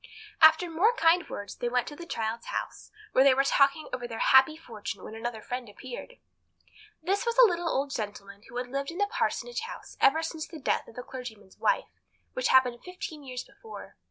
After more kind words they went to the child's house, where they were talking over their happy fortune when another friend appeared. This was a little old gentleman who had lived in the parsonage house ever since the death of the clergyman's wife, which had happened fifteen years before.